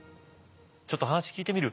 ちょっと話聞いてみる？